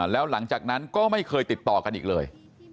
แล้วหลังจากนั้นก็ไม่เคยติดต่อกันอีกเลย